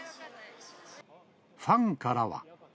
ファンからは。